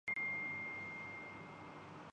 Asia دنیا کے سات براعظموں میں سے